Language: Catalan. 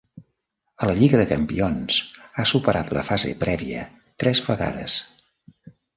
A la Lliga de Campions ha superat la fase prèvia tres vegades.